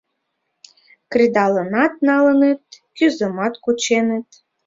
Кредалынат налыныт, кӱзымат кученыт.